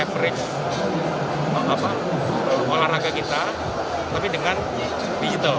kita bisa melakukan olahraga kita tapi dengan digital